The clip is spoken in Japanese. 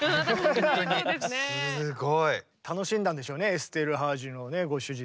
楽しんだんでしょうねエステルハージのねご主人様。